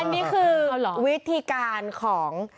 อันนี้คือวิธีการของ